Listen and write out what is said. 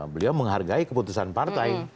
beliau menghargai keputusan partai